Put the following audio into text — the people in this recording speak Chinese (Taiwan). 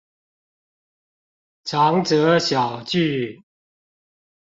長者小聚